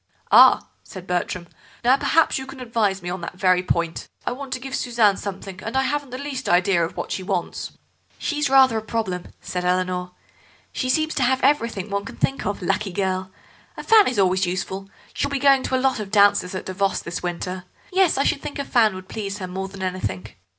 "Ah," said Bertram. "Now, perhaps you can advise me on that very point. I want to give Suzanne something, and I haven't the least idea what she wants." "She's rather a problem," said Eleanor. "She seems to have everything one can think of, lucky girl. A fan is always useful; she'll be going to a lot of dances at Davos this winter. Yes, I should think a fan would please her more than anything.